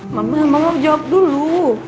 mama mau jawab dulu